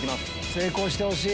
成功してほしい。